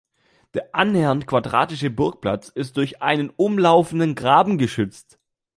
Der annähernd quadratische Burgplatz ist durch einen umlaufenden Graben geschützt.